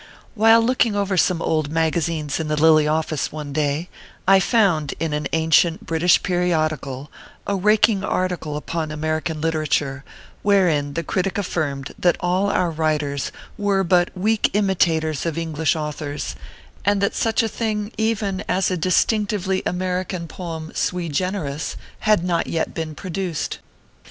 While looking over some old magazines in the Lily office one day, I found in an ancient British periodi cal a raking article upon American literature, wherein the critic affirmed that all our writers were but weak imitators of English authors, and that such a thing even as a Distinctively American Poem sui generis, had not yet been produced.